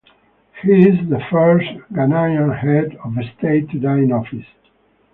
He is the first Ghanaian head of state to die in office.